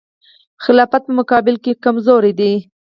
خلافت په مقابل کې کمزوری دی.